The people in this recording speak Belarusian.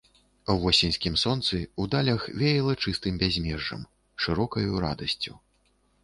У восеньскім сонцы, у далях веяла чыстым бязмежжам, шырокаю радасцю.